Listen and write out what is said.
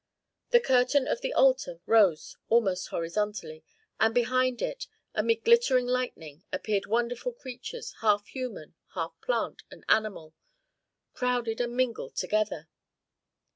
The curtain of the altar rose almost horizontally, and behind it, amid glittering lightning, appeared wonderful creatures, half human, half plant and animal, crowded and mingled together.